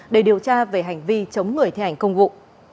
để điều tra về hành vi chống người thi hành công vụ